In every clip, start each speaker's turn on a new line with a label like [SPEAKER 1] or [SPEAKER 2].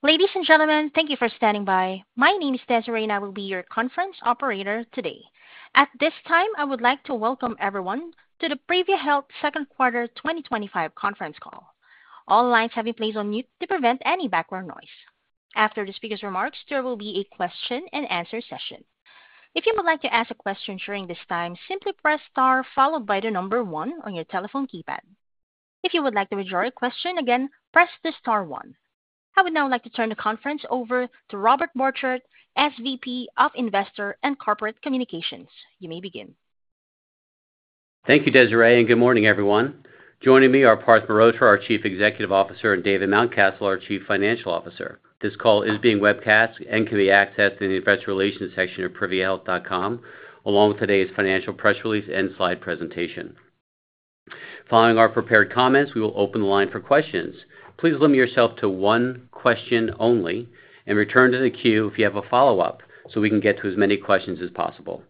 [SPEAKER 1] Ladies and gentlemen, thank you for standing by. My name is Desiree, and I will be your conference operator today. At this time, I would like to welcome everyone to the Privia Health Second Quarter 2025 Conference Call. All lines have been placed on mute to prevent any background noise. After the speaker's remarks, there will be a question and answer session. If you would like to ask a question during this time, simply press Star followed by the number one on your telephone keypad. If you would like to rejoin a question, again, press the Star, one. I would now like to turn the conference over to Robert Borchert, SVP of Investor and Corporate Communications. You may begin.
[SPEAKER 2] Thank you, Desiree, and good morning, everyone. Joining me are Parth Mehrotra, our Chief Executive Officer, and David Mountcastle, our Chief Financial Officer. This call is being webcast and can be accessed in the Investor Relations section of PriviaHealth.com, along with today's financial press release and slide presentation. Following our prepared comments, we will open the line for questions. Please limit yourself to one question only and return to the queue if you have a follow-up so we can get to as many questions as possible.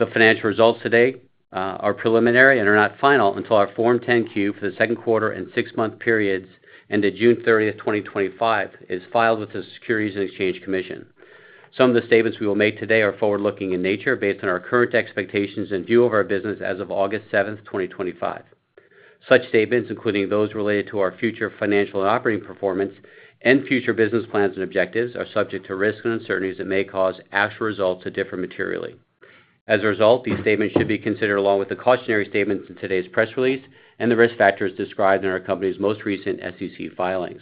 [SPEAKER 2] The financial results today are preliminary and are not final until our Form 10-Q for the second quarter and six-month periods ended June 30th, 2025, is filed with the Securities and Exchange Commission. Some of the statements we will make today are forward-looking in nature based on our current expectations and view of our business as of August 7th, 2025. Such statements, including those related to our future financial and operating performance and future business plans and objectives, are subject to risks and uncertainties that may cause actual results to differ materially. As a result, these statements should be considered along with the cautionary statements in today's press release and the risk factors described in our company's most recent SEC filings.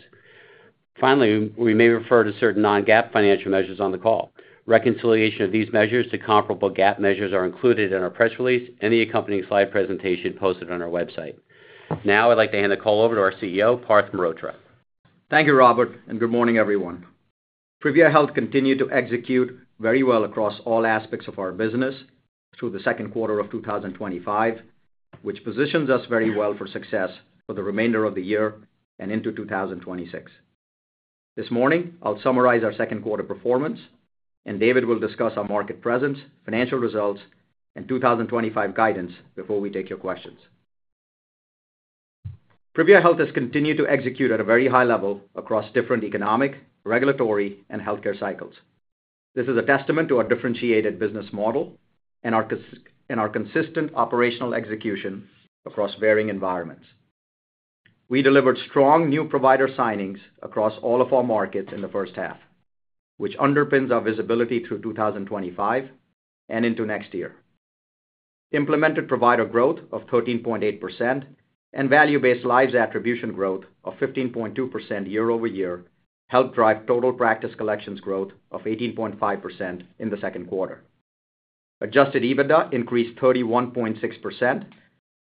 [SPEAKER 2] Finally, we may refer to certain non-GAAP financial measures on the call. Reconciliation of these measures to comparable GAAP measures are included in our press release and the accompanying slide presentation posted on our website. Now, I'd like to hand the call over to our CEO, Parth Mehrotra.
[SPEAKER 3] Thank you, Robert, and good morning, everyone. Privia Health continued to execute very well across all aspects of our business through the second quarter of 2025, which positions us very well for success for the remainder of the year and into 2026. This morning, I'll summarize our second quarter performance, and David will discuss our market presence, financial results, and 2025 guidance before we take your questions. Privia Health has continued to execute at a very high level across different economic, regulatory, and healthcare cycles. This is a testament to our differentiated business model and our consistent operational execution across varying environments. We delivered strong new provider signings across all of our markets in the first half, which underpins our visibility through 2025 and into next year. Implemented provider growth of 13.8% and value-based lives attribution growth of 15.2% year-over-year helped drive total practice collections growth of 18.5% in the second quarter. Adjusted EBITDA increased 31.6%,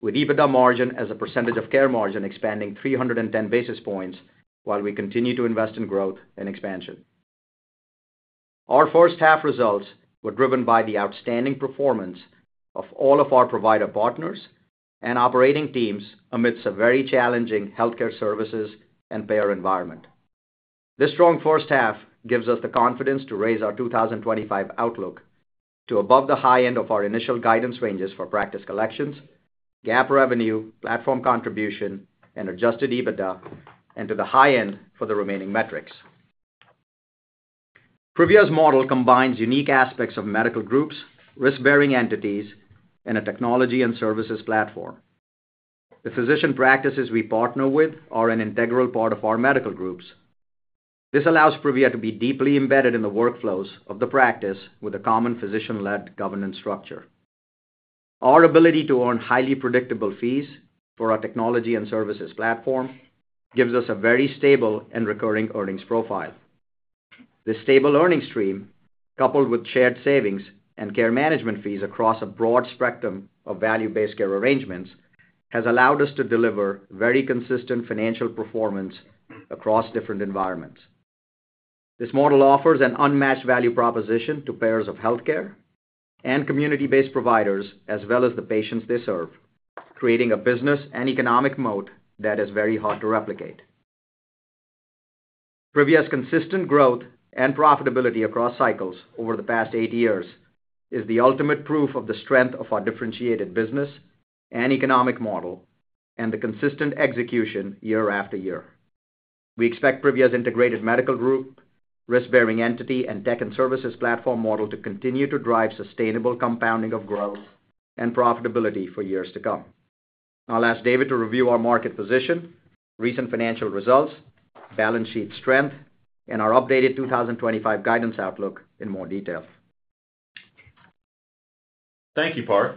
[SPEAKER 3] with EBITDA margin as a percentage of care margin expanding 310 basis points, while we continue to invest in growth and expansion. Our first half results were driven by the outstanding performance of all of our provider partners and operating teams amidst a very challenging healthcare services and payer environment. This strong first half gives us the confidence to raise our 2025 outlook to above the high end of our initial guidance ranges for practice collections, GAAP revenue, platform contribution, and adjusted EBITDA, and to the high end for the remaining metrics. Privia Health Group's model combines unique aspects of medical groups, risk-bearing entities, and a technology and services platform. The physician practices we partner with are an integral part of our medical groups. This allows Privia to be deeply embedded in the workflows of the practice with a common physician-led governance structure. Our ability to earn highly predictable fees for our technology and services platform gives us a very stable and recurring earnings profile. This stable earnings stream, coupled with shared savings and care management fees across a broad spectrum of value-based care arrangements, has allowed us to deliver very consistent financial performance across different environments. This model offers an unmatched value proposition to payers of healthcare and community-based providers, as well as the patients they serve, creating a business and economic moat that is very hard to replicate. Privia's consistent growth and profitability across cycles over the past eight years is the ultimate proof of the strength of our differentiated business and economic model and the consistent execution year after year. We expect Privia's integrated medical group, risk-bearing entity, and tech and services platform model to continue to drive sustainable compounding of growth and profitability for years to come. I'll ask David to review our market position, recent financial results, balance sheet strength, and our updated 2025 guidance outlook in more detail.
[SPEAKER 4] Thank you, Parth.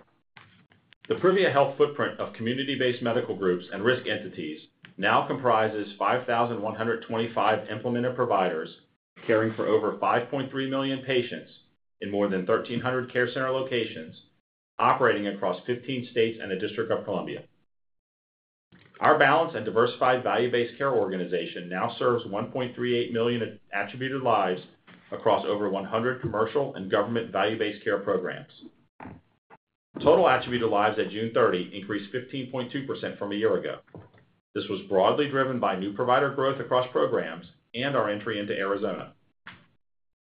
[SPEAKER 4] The Privia Health footprint of community-based medical groups and risk entities now comprises 5,125 implemented providers caring for over 5.3 million patients in more than 1,300 care center locations, operating across 15 states and the District of Columbia. Our balanced and diversified value-based care organization now serves 1.38 million attributed lives across over 100 commercial and government value-based care programs. Total attributed lives at June 30 increased 15.2% from a year ago. This was broadly driven by new provider growth across programs and our entry into Arizona.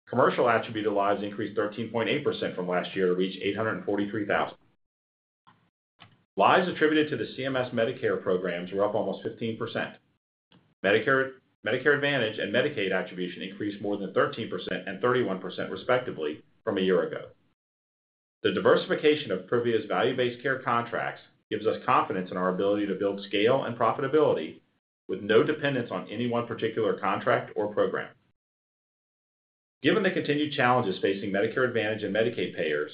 [SPEAKER 4] Commercial attributed lives increased 13.8% from last year to reach 843,000. Lives attributed to the CMS Medicare programs are up almost 15%. Medicare Advantage and Medicaid attribution increased more than 13% and 31% respectively from a year ago. The diversification of Privia's value-based care contracts gives us confidence in our ability to build scale and profitability with no dependence on any one particular contract or program. Given the continued challenges facing Medicare Advantage and Medicaid payers,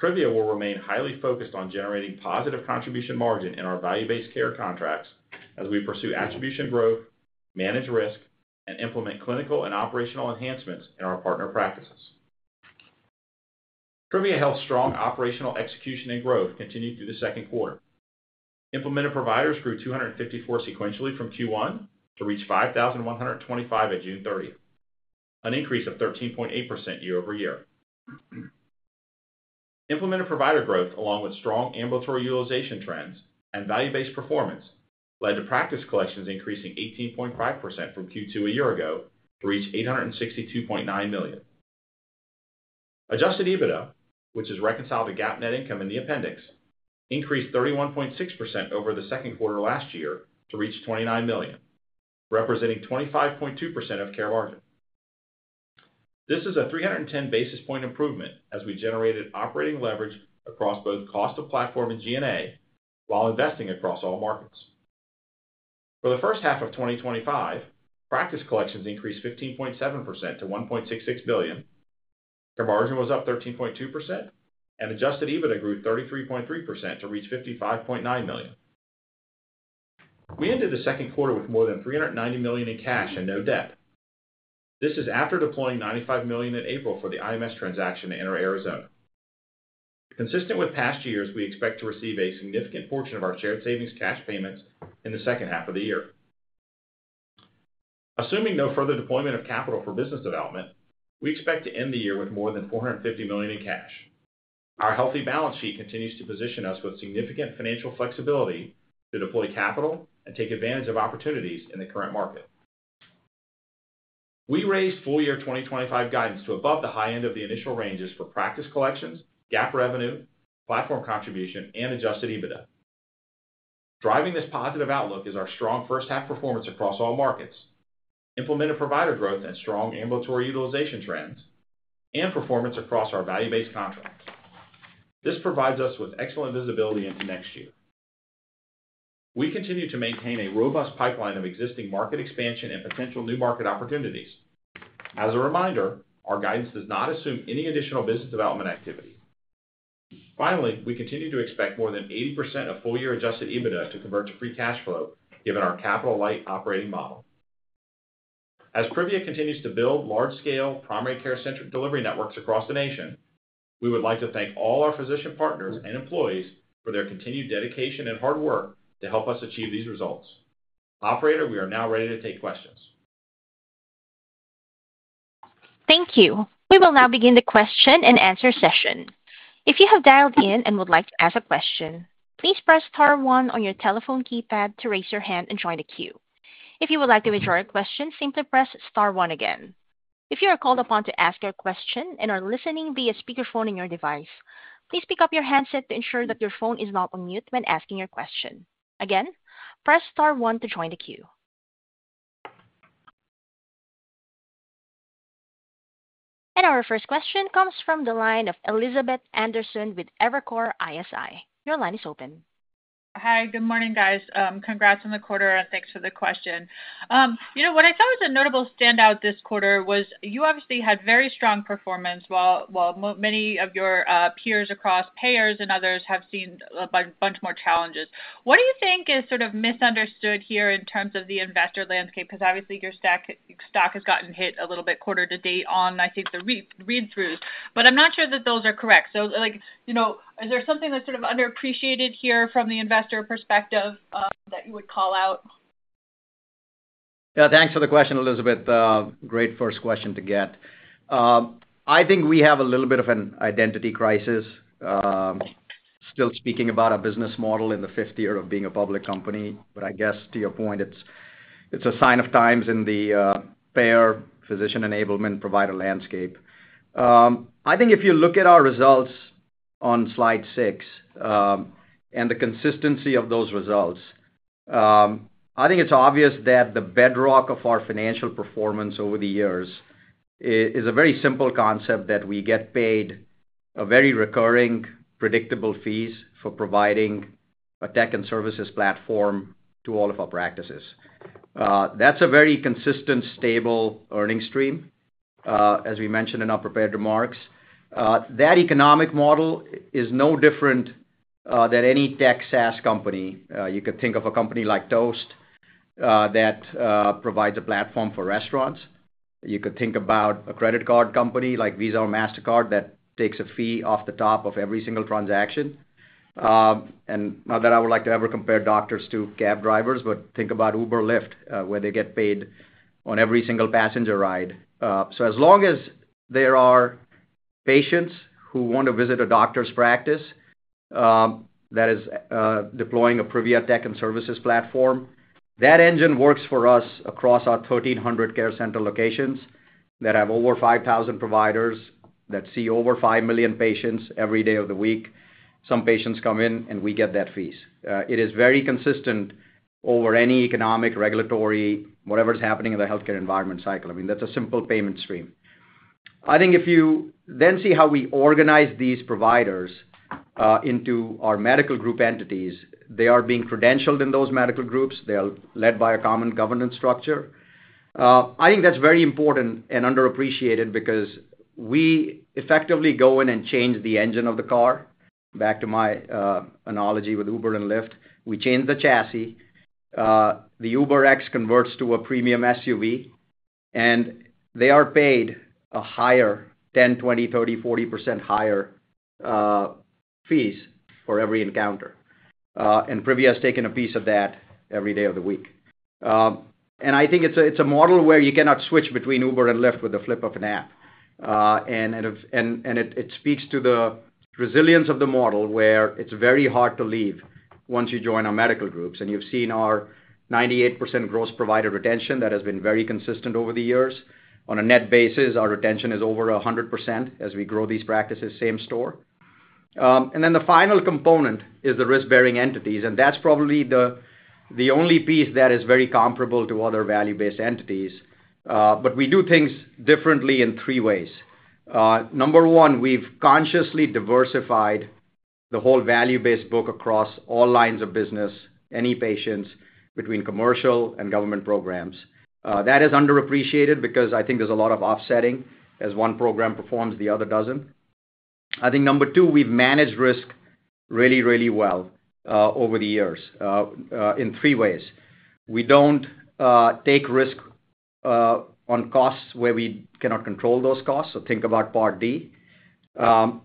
[SPEAKER 4] Privia will remain highly focused on generating positive contribution margin in our value-based care contracts as we pursue attribution growth, manage risk, and implement clinical and operational enhancements in our partner practices. Privia Health's strong operational execution and growth continued through the second quarter. Implemented providers grew 254 sequentially from Q1 to reach 5,125 at June 30th, an increase of 13.8% year-over-year. Implemented provider growth, along with strong ambulatory utilization trends and value-based performance, led to practice collections increasing 18.5% from Q2 a year ago to reach $862.9 million. Adjusted EBITDA, which is reconciled to GAAP net income in the appendix, increased 31.6% over the second quarter last year to reach $29 million, representing 25.2% of care margin. This is a 310 basis point improvement as we generated operating leverage across both cost of platform and G&A while investing across all markets. For the first half of 2025, practice collections increased 15.7% to $1.66 billion, care margin was up 13.2%, and adjusted EBITDA grew 33.3% to reach $55.9 million. We ended the second quarter with more than $390 million in cash and no debt. This is after deploying $95 million in April for the IMS transaction to enter Arizona. Consistent with past years, we expect to receive a significant portion of our shared savings cash payments in the second half of the year. Assuming no further deployment of capital for business development, we expect to end the year with more than $450 million in cash. Our healthy balance sheet continues to position us with significant financial flexibility to deploy capital and take advantage of opportunities in the current market. We raised full-year 2025 guidance to above the high end of the initial ranges for practice collections, GAAP revenue, platform contribution, and adjusted EBITDA. Driving this positive outlook is our strong first-half performance across all markets, implemented provider growth and strong ambulatory utilization trends, and performance across our value-based care programs. This provides us with excellent visibility into next year. We continue to maintain a robust pipeline of existing market expansion and potential new market opportunities. As a reminder, our guidance does not assume any additional business development activity. Finally, we continue to expect more than 80% of full-year adjusted EBITDA to convert to free cash flow, given our capital light operating model. As Privia continues to build large-scale primary care-centric delivery networks across the nation, we would like to thank all our physician partners and employees for their continued dedication and hard work to help us achieve these results. Operator, we are now ready to take questions.
[SPEAKER 1] Thank you. We will now begin the question-and-answer session. If you have dialed in and would like to ask a question, please press Star., one on your telephone keypad to raise your hand and join the queue. If you would like to rejoin a question, simply press Star, one again. If you are called upon to ask your question and are listening via speakerphone on your device, please pick up your handset to ensure that your phone is not on mute when asking your question. Again, press Star, one to join the queue. Our first question comes from the line of Elizabeth Anderson with Evercore ISI. Your line is open.
[SPEAKER 5] Hi, good morning, guys. Congrats on the quarter and thanks for the question. What I thought was a notable standout this quarter was you obviously had very strong performance while many of your peers across payers and others have seen a bunch more challenges. What do you think is sort of misunderstood here in terms of the investor landscape? Because obviously your stock has gotten hit a little bit quarter to date on, I think, the read-throughs, but I'm not sure that those are correct. Is there something that's sort of underappreciated here from the investor perspective that you would call out?
[SPEAKER 3] Yeah, thanks for the question, Elizabeth. Great first question to get. I think we have a little bit of an identity crisis, still speaking about our business model in the fifth year of being a public company, but I guess to your point, it's a sign of times in the payer physician enablement provider landscape. I think if you look at our results on slide six and the consistency of those results, I think it's obvious that the bedrock of our financial performance over the years is a very simple concept that we get paid very recurring, predictable fees for providing a tech and services platform to all of our practices. That's a very consistent, stable earnings stream, as we mentioned in our prepared remarks. That economic model is no different than any tech SaaS company. You could think of a company like Toast that provides a platform for restaurants. You could think about a credit card company like Visa or Mastercard that takes a fee off the top of every single transaction. Not that I would like to ever compare doctors to cab drivers, but think about Uber or Lyft, where they get paid on every single passenger ride. As long as there are patients who want to visit a doctor's practice that is deploying a Privia tech and services platform, that engine works for us across our 1,300 care center locations that have over 5,000 providers that see over 5 million patients every day of the week. Some patients come in and we get that fee. It is very consistent over any economic, regulatory, whatever's happening in the healthcare environment cycle. That's a simple payment stream. I think if you then see how we organize these providers into our medical group entities, they are being credentialed in those medical groups. They are led by a common governance structure. I think that's very important and underappreciated because we effectively go in and change the engine of the car. Back to my analogy with Uber and Lyft, we change the chassis. The UberX converts to a premium SUV, and they are paid a higher 10%, 20%, 30%, 40% higher fees for every encounter. Privia has taken a piece of that every day of the week. I think it's a model where you cannot switch between Uber and Lyft with the flip of an app. It speaks to the resilience of the model where it's very hard to leave once you join our medical groups. You've seen our 98% gross provider retention that has been very consistent over the years. On a net basis, our retention is over 100% as we grow these practices, same store. The final component is the risk-bearing entities, and that's probably the only piece that is very comparable to other value-based entities. We do things differently in three ways. Number one, we've consciously diversified the whole value-based book across all lines of business, any patients between commercial and government programs. That is underappreciated because I think there's a lot of offsetting as one program performs, the other doesn't. Number two, we've managed risk really, really well over the years in three ways. We don't take risk on costs where we cannot control those costs, so think about part D.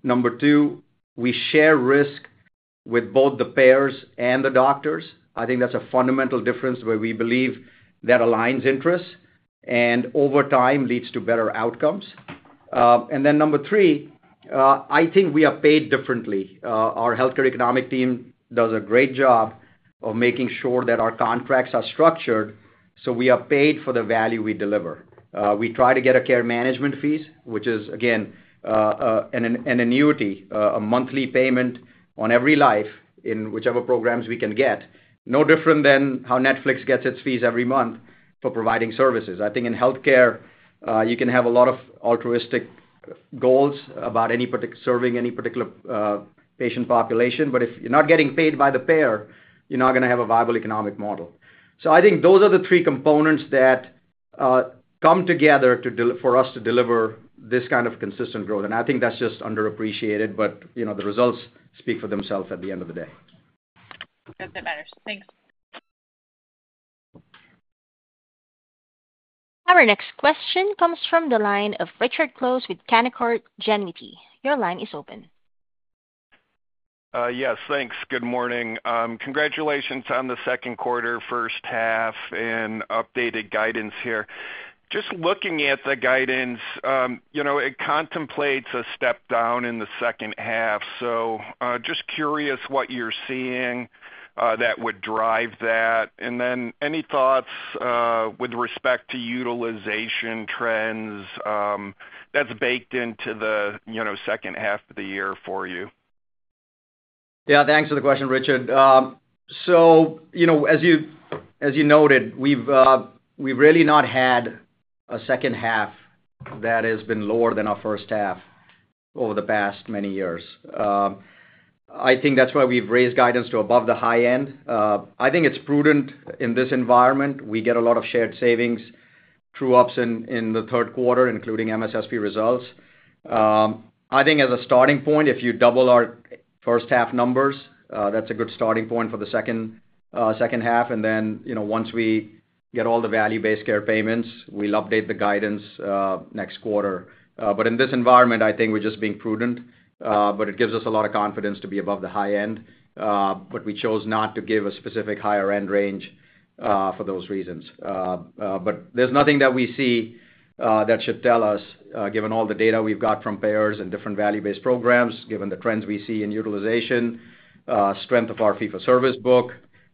[SPEAKER 3] Number two, we share risk with both the payers and the doctors. I think that's a fundamental difference where we believe that aligns interests and over time leads to better outcomes. Number three, I think we are paid differently. Our healthcare economic team does a great job of making sure that our contracts are structured so we are paid for the value we deliver. We try to get a care management fee, which is, again, an annuity, a monthly payment on every life in whichever programs we can get, no different than how Netflix gets its fees every month for providing services. I think in healthcare, you can have a lot of altruistic goals about serving any particular patient population, but if you're not getting paid by the payer, you're not going to have a viable economic model. I think those are the three components that come together for us to deliver this kind of consistent growth. I think that's just underappreciated, but you know the results speak for themselves at the end of the day.
[SPEAKER 5] That matters. Thanks.
[SPEAKER 1] Our next question comes from the line of Richard Close with Canaccord Genuity. Your line is open.
[SPEAKER 6] Yes, thanks. Good morning. Congratulations on the second quarter, first half, and updated guidance here. Just looking at the guidance, it contemplates a step down in the second half. Just curious what you're seeing that would drive that. Any thoughts with respect to utilization trends that's baked into the second half of the year for you?
[SPEAKER 3] Yeah, thanks for the question, Richard. As you noted, we've really not had a second half that has been lower than our first half over the past many years. I think that's why we've raised guidance to above the high end. I think it's prudent in this environment. We get a lot of shared savings true-ups in the third quarter, including MSSP results. As a starting point, if you double our first half numbers, that's a good starting point for the second half. Once we get all the value-based care payments, we'll update the guidance next quarter. In this environment, I think we're just being prudent, but it gives us a lot of confidence to be above the high end. We chose not to give a specific higher end range for those reasons. There's nothing that we see that should tell us, given all the data we've got from payers and different value-based care programs, given the trends we see in utilization, strength of our fee for service book,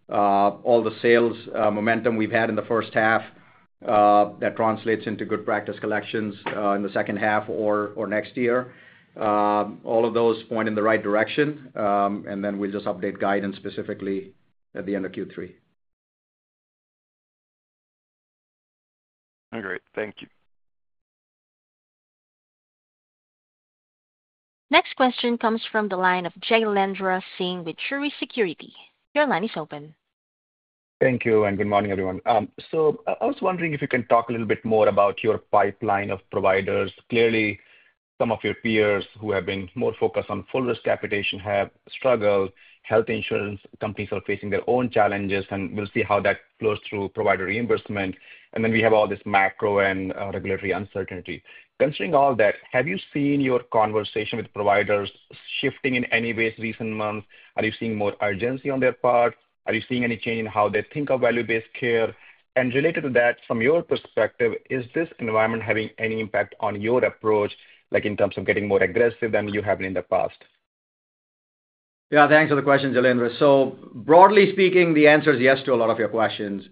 [SPEAKER 3] all the sales momentum we've had in the first half that translates into good practice collections in the second half or next year. All of those point in the right direction. We'll just update guidance specifically at the end of Q3.
[SPEAKER 5] I agree. Thank you.
[SPEAKER 1] Next question comes from the line of Jailendra Singh with Truist Securities. Your line is open.
[SPEAKER 7] Thank you and good morning, everyone. I was wondering if you can talk a little bit more about your pipeline of providers. Clearly, some of your peers who have been more focused on full risk capitation have struggled. Health insurance companies are facing their own challenges, and we'll see how that flows through provider reimbursement. We have all this macro and regulatory uncertainty. Considering all that, have you seen your conversation with providers shifting in any ways in recent months? Are you seeing more urgency on their part? Are you seeing any change in how they think of value-based care? Related to that, from your perspective, is this environment having any impact on your approach, like in terms of getting more aggressive than you have been in the past?
[SPEAKER 3] Yeah, thanks for the question, Jailendra. Broadly speaking, the answer is yes to a lot of your questions.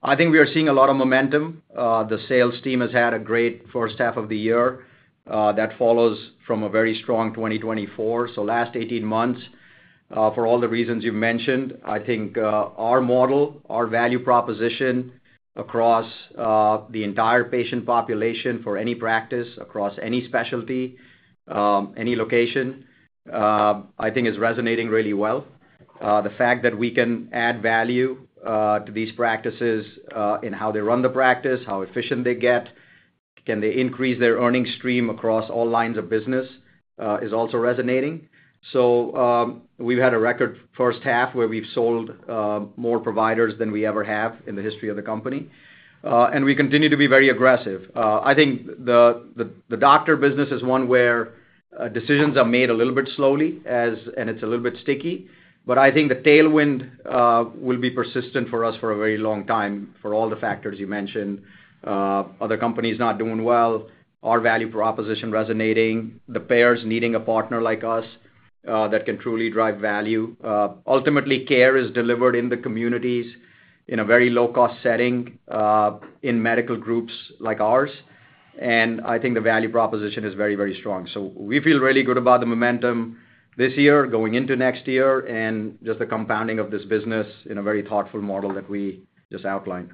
[SPEAKER 3] I think we are seeing a lot of momentum. The sales team has had a great first half of the year that follows from a very strong 2024. The last 18 months, for all the reasons you've mentioned, I think our model, our value proposition across the entire patient population for any practice across any specialty, any location, is resonating really well. The fact that we can add value to these practices in how they run the practice, how efficient they get, can they increase their earnings stream across all lines of business is also resonating. We've had a record first half where we've sold more providers than we ever have in the history of the company. We continue to be very aggressive. I think the doctor business is one where decisions are made a little bit slowly, and it's a little bit sticky. I think the tailwind will be persistent for us for a very long time for all the factors you mentioned. Other companies not doing well, our value proposition resonating, the payers needing a partner like us that can truly drive value. Ultimately, care is delivered in the communities in a very low-cost setting in medical groups like ours. I think the value proposition is very, very strong. We feel really good about the momentum this year, going into next year, and just the compounding of this business in a very thoughtful model that we just outlined.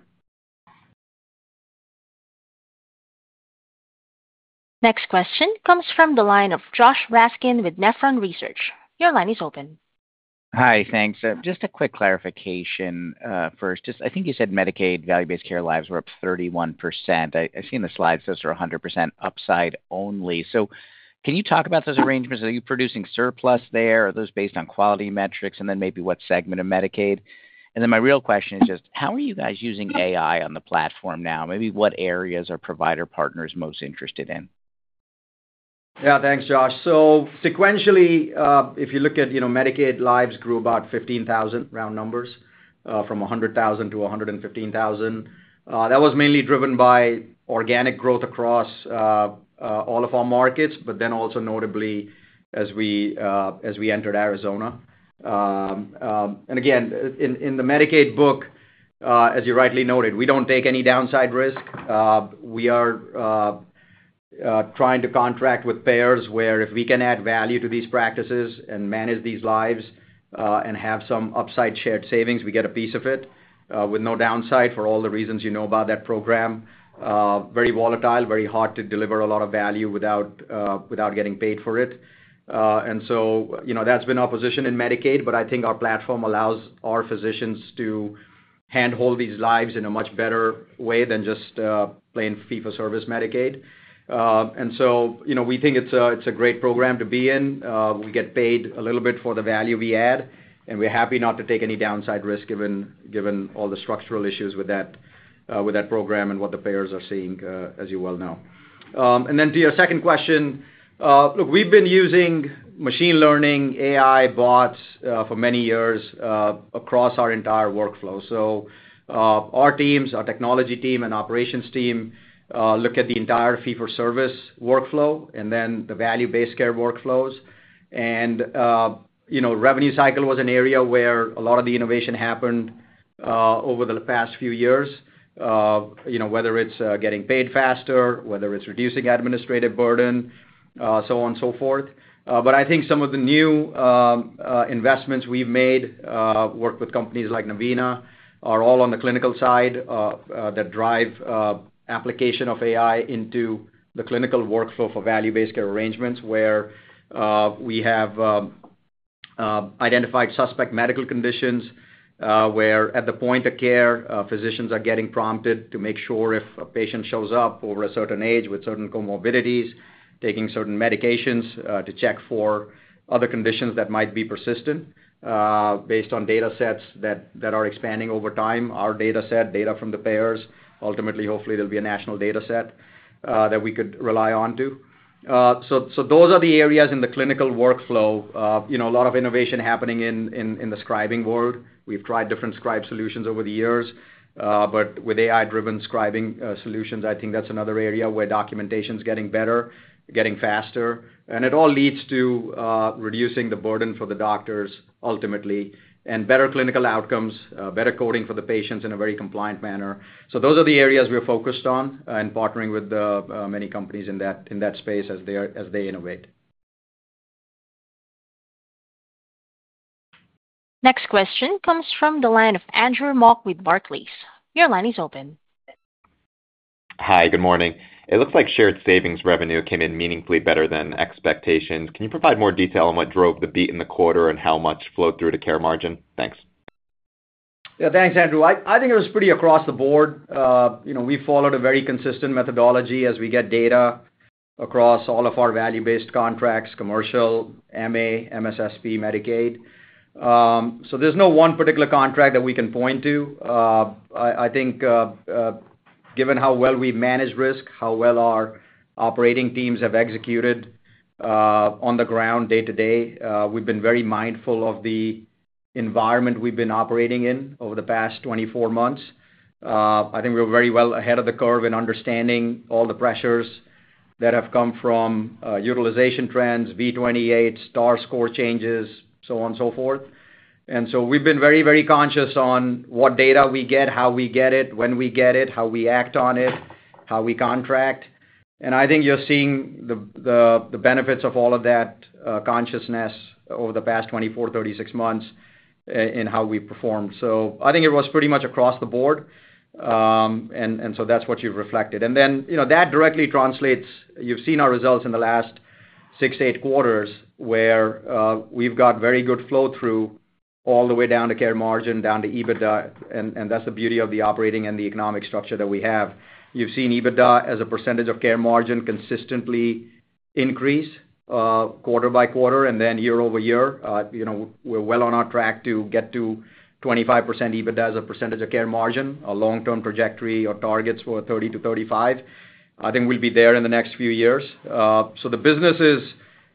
[SPEAKER 1] Next question comes from the line of Josh Raskin with Nephron Research. Your line is open.
[SPEAKER 8] Hi, thanks. Just a quick clarification first. I think you said Medicaid value-based care lives were up 31%. I've seen the slides. Those are 100% upside only. Can you talk about those arrangements? Are you producing surplus there? Are those based on quality metrics? Maybe what segment of Medicaid? My real question is just how are you guys using AI on the platform now? Maybe what areas are provider partners most interested in?
[SPEAKER 3] Yeah, thanks, Josh. Sequentially, if you look at Medicaid lives, grew about 15,000, round numbers, from 100,000-115,000. That was mainly driven by organic growth across all of our markets, but also notably as we entered Arizona. In the Medicaid book, as you rightly noted, we don't take any downside risk. We are trying to contract with payers where if we can add value to these practices and manage these lives and have some upside shared savings, we get a piece of it with no downside for all the reasons you know about that program. It is very volatile, very hard to deliver a lot of value without getting paid for it. That has been our position in Medicaid, but I think our platform allows our physicians to handhold these lives in a much better way than just plain fee-for-service Medicaid. We think it's a great program to be in. We get paid a little bit for the value we add, and we're happy not to take any downside risk given all the structural issues with that program and what the payers are seeing, as you well know. To your second question, we've been using machine learning, AI, bots for many years across our entire workflow. Our teams, our technology team and operations team, look at the entire fee-for-service workflow and then the value-based care workflows. Revenue cycle was an area where a lot of the innovation happened over the past few years, whether it's getting paid faster, whether it's reducing administrative burden, and so on. Some of the new investments we've made, worked with companies like Navina, are all on the clinical side that drive application of AI into the clinical workflow for value-based care arrangements where we have identified suspect medical conditions. At the point of care, physicians are getting prompted to make sure if a patient shows up over a certain age with certain comorbidities, taking certain medications, to check for other conditions that might be persistent based on data sets that are expanding over time. Our data set, data from the payers, ultimately, hopefully, there will be a national data set that we could rely on too. Those are the areas in the clinical workflow. A lot of innovation is happening in the scribing world. We've tried different scribe solutions over the years, but with AI-driven scribing solutions, I think that's another area where documentation is getting better, getting faster, and it all leads to reducing the burden for the doctors ultimately, and better clinical outcomes, better coding for the patients in a very compliant manner. Those are the areas we're focused on and partnering with many companies in that space as they innovate.
[SPEAKER 1] Next question comes from the line of Andrew Mok with Barclays. Your line is open.
[SPEAKER 9] Hi, good morning. It looks like shared savings revenue came in meaningfully better than expectations. Can you provide more detail on what drove the beat in the quarter and how much flowed through to care margin? Thanks.
[SPEAKER 3] Yeah, thanks, Andrew. I think it was pretty across the board. We followed a very consistent methodology as we get data across all of our value-based care contracts, commercial, MA, MSSP, Medicaid. There's no one particular contract that we can point to. I think given how well we've managed risk, how well our operating teams have executed on the ground day to day, we've been very mindful of the environment we've been operating in over the past 24 months. I think we're very well ahead of the curve in understanding all the pressures that have come from utilization trends, V28, STAR score changes, so on and so forth. We've been very, very conscious on what data we get, how we get it, when we get it, how we act on it, how we contract. I think you're seeing the benefits of all of that consciousness over the past 24, 36 months in how we perform. I think it was pretty much across the board. That's what you've reflected. That directly translates, you've seen our results in the last six, eight quarters where we've got very good flow-through all the way down to care margin, down to EBITDA. That's the beauty of the operating and the economic structure that we have. You've seen EBITDA as a percentage of care margin consistently increase quarter by quarter and then year over year. We're well on our track to get to 25% EBITDA as a percentage of care margin, a long-term trajectory or targets for 30%-35%. I think we'll be there in the next few years. The business is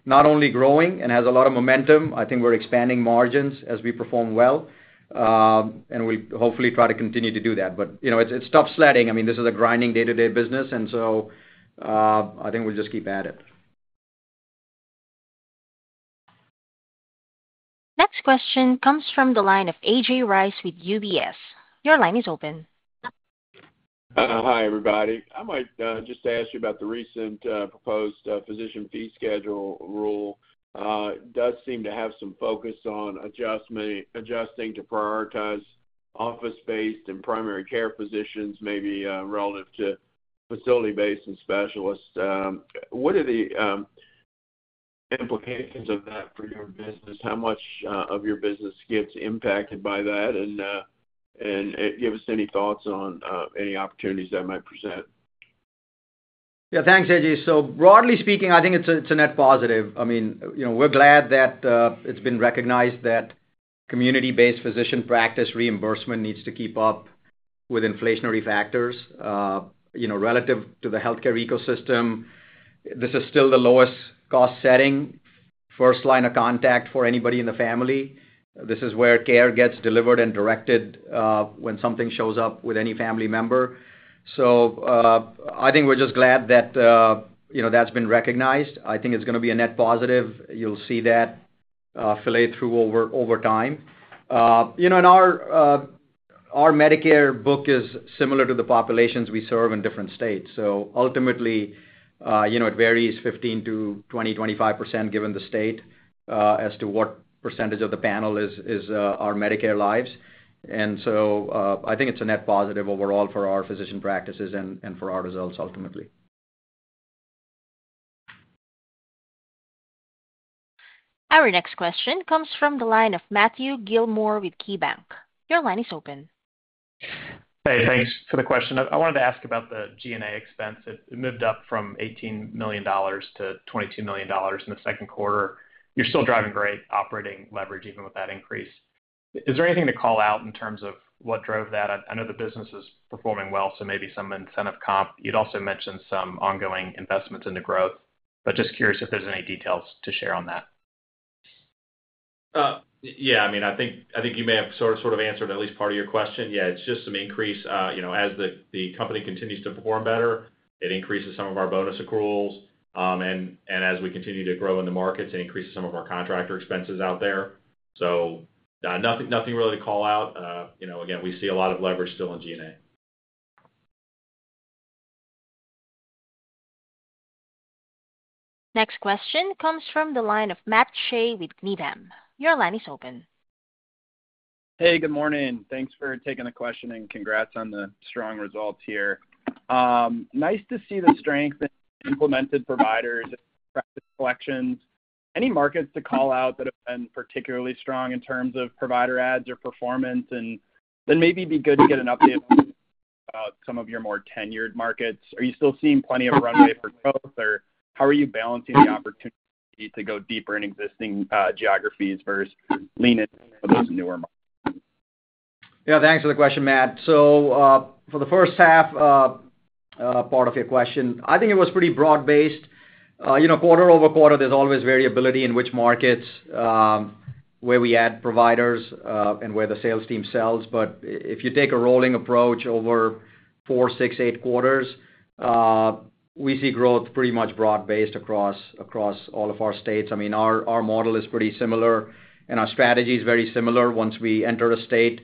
[SPEAKER 3] not only growing and has a lot of momentum. I think we're expanding margins as we perform well. We'll hopefully try to continue to do that. You know it's tough sledding. I mean, this is a grinding day-to-day business. I think we'll just keep at it.
[SPEAKER 1] Next question comes from the line of A.J. Rice with UBS. Your line is open.
[SPEAKER 10] Hi, everybody. I might just ask you about the recent proposed physician fee schedule rule. It does seem to have some focus on adjusting to prioritize office-based and primary care physicians, maybe relative to facility-based and specialists. What are the implications of that for your business? How much of your business gets impacted by that? Give us any thoughts on any opportunities that might present.
[SPEAKER 3] Yeah, thanks, A.J. So broadly speaking, I think it's a net positive. I mean, we're glad that it's been recognized that community-based physician practice reimbursement needs to keep up with inflationary factors. Relative to the healthcare ecosystem, this is still the lowest cost setting, first line of contact for anybody in the family. This is where care gets delivered and directed when something shows up with any family member. I think we're just glad that that's been recognized. I think it's going to be a net positive. You'll see that filter through over time. Our Medicare book is similar to the populations we serve in different states. Ultimately, it varies 15% to 20%, 25% given the state as to what percentage of the panel is our Medicare lives. I think it's a net positive overall for our physician practices and for our results, ultimately.
[SPEAKER 1] Our next question comes from the line of Matthew Gillmor with KeyBanc. Your line is open.
[SPEAKER 11] Hey, thanks for the question. I wanted to ask about the G&A expense. It moved up from $18 million to $22 million in the second quarter. You're still driving great operating leverage even with that increase. Is there anything to call out in terms of what drove that? I know the business is performing well, so maybe some incentive comp. You'd also mentioned some ongoing investments into growth, but just curious if there's any details to share on that.
[SPEAKER 4] Yeah, I mean, I think you may have sort of answered at least part of your question. It's just some increase. You know, as the company continues to perform better, it increases some of our bonus accruals. As we continue to grow in the markets, it increases some of our contractor expenses out there. Nothing really to call out. You know, again, we see a lot of leverage still in G&A.
[SPEAKER 1] Next question comes from the line of Matt Shea with Needham. Your line is open.
[SPEAKER 12] Hey, good morning. Thanks for taking the question and congrats on the strong results here. Nice to see the strength in implemented providers and practice collections. Any markets to call out that have been particularly strong in terms of provider adds or performance? It'd be good to get an update about some of your more tenured markets. Are you still seeing plenty of runway for growth, or how are you balancing the opportunity to go deeper in existing geographies versus leaning into those newer markets?
[SPEAKER 3] Yeah, thanks for the question, Matt. For the first half, I don't know if part of your question, I think it was pretty broad-based. Quarter-over-quarter, there's always variability in which markets, where we add providers, and where the sales team sells. If you take a rolling approach over four, six, eight quarters, we see growth pretty much broad-based across all of our states. I mean, our model is pretty similar, and our strategy is very similar. Once we enter a state,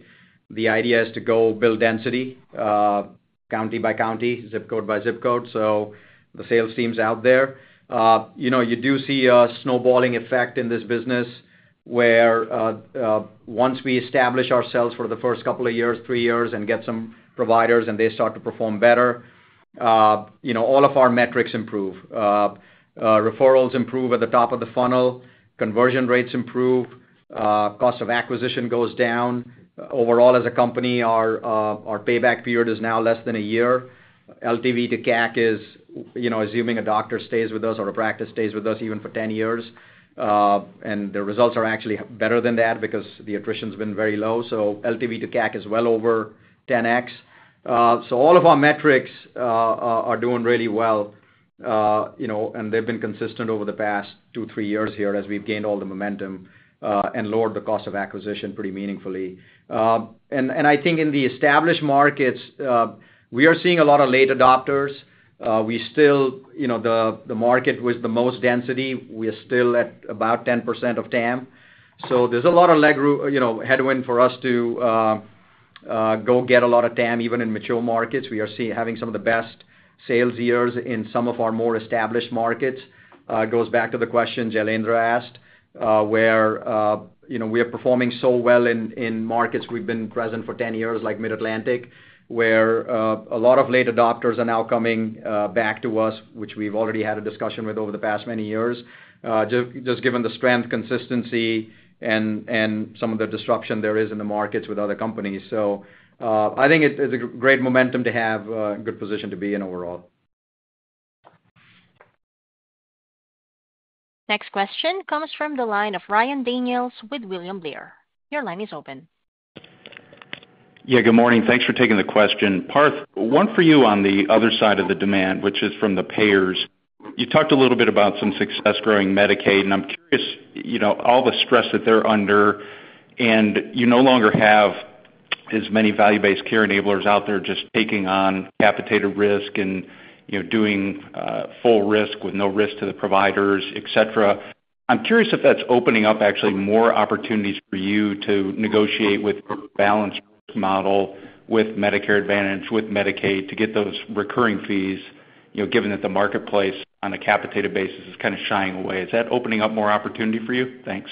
[SPEAKER 3] the idea is to go build density, county by county ZIP code by ZIP code. The sales team's out there. You do see a snowballing effect in this business where once we establish ourselves for the first couple of years, three years, and get some providers and they start to perform better, all of our metrics improve. Referrals improve at the top of the funnel, conversion rates improve, cost of acquisition goes down. Overall, as a company, our payback period is now less than a year. LTV to CAC is, you know, assuming a doctor stays with us or a practice stays with us even for 10 years. The results are actually better than that because the attrition's been very low. LTV to CAC is well over 10x. All of our metrics are doing really well, and they've been consistent over the past two, three years here as we've gained all the momentum and lowered the cost of acquisition pretty meaningfully. I think in the established markets, we are seeing a lot of late adopters. The market with the most density, we are still at about 10% of TAM. There's a lot of leg room, headwind for us to go get a lot of TAM even in mature markets. We are having some of the best sales years in some of our more established markets. Goes back to the question Jailendra asked where we are performing so well in markets we've been present for 10 years like Mid-Atlantic where a lot of late adopters are now coming back to us, which we've already had a discussion with over the past many years, just given the strength, consistency, and some of the disruption there is in the markets with other companies. I think it's a great momentum to have, a good position to be in overall.
[SPEAKER 1] Next question comes from the line of Ryan Daniels with William Blair. Your line is open.
[SPEAKER 13] Yeah, good morning. Thanks for taking the question. Parth, one for you on the other side of the demand, which is from the payers. You talked a little bit about some success growing Medicaid, and I'm curious, you know, all the stress that they're under, and you no longer have as many value-based care enablers out there just taking on capitated risk and, you know, doing full risk with no risk to the providers, et cetera. I'm curious if that's opening up actually more opportunities for you to negotiate with a balanced model with Medicare Advantage, with Medicaid to get those recurring fees, you know, given that the marketplace on a capitated basis is kind of shying away. Is that opening up more opportunity for you? Thanks.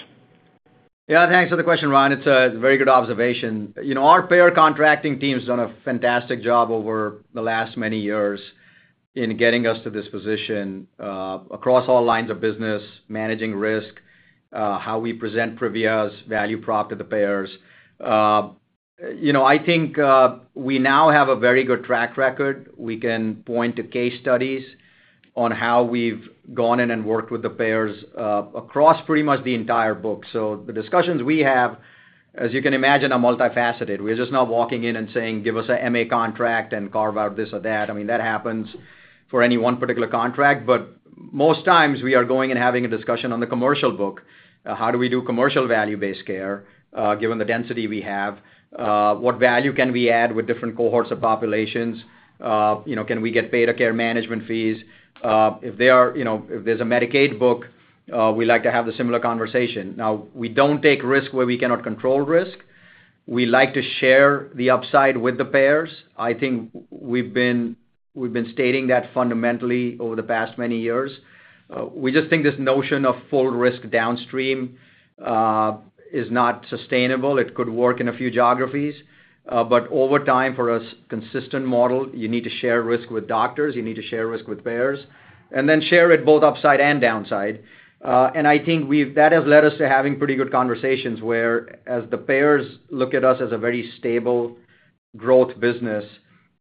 [SPEAKER 3] Yeah, thanks for the question, Ryan. It's a very good observation. You know, our payer contracting teams have done a fantastic job over the last many years in getting us to this position across all lines of business, managing risk, how we present Privia's value prop to the payers. I think we now have a very good track record. We can point to case studies on how we've gone in and worked with the payers across pretty much the entire book. The discussions we have, as you can imagine, are multifaceted. We're just not walking in and saying, "Give us an MA contract and carve out this or that." I mean, that happens for any one particular contract, but most times we are going and having a discussion on the commercial book. How do we do commercial value-based care given the density we have? What value can we add with different cohorts of populations? Can we get paid a care management fee? If there's a Medicaid book, we like to have the similar conversation. We don't take risk where we cannot control risk. We like to share the upside with the payers. I think we've been stating that fundamentally over the past many years. We just think this notion of full risk downstream is not sustainable. It could work in a few geographies. Over time, for us, a consistent model, you need to share risk with doctors, you need to share risk with payers, and then share it both upside and downside. I think that has led us to having pretty good conversations where, as the payers look at us as a very stable growth business